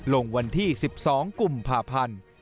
ลงวันที่๑๒กุมภาพันธ์